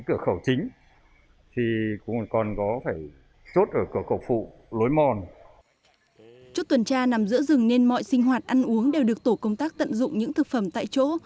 chốt tuần tra nằm giữa rừng nên mọi sinh hoạt ăn uống đều được tổ công tác tận dụng những thực phẩm tại chỗ